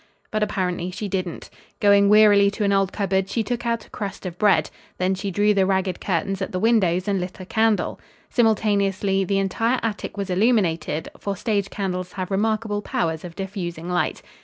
But apparently she didn't. Going wearily to an old cupboard, she took out a crust of bread. Then she drew the ragged curtains at the windows and lit a candle. Simultaneously the entire attic was illuminated, for stage candles have remarkable powers of diffusing light.